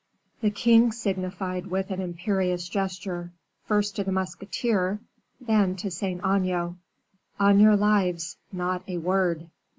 The king signified with an imperious gesture, first to the musketeer, then to Saint Aignan, "On your lives, not a word."